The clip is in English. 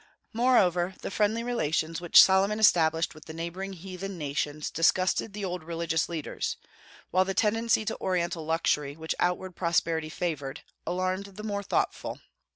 Moreover, the friendly relations which Solomon established with the neighboring heathen nations disgusted the old religious leaders, while the tendency to Oriental luxury which outward prosperity favored alarmed the more thoughtful.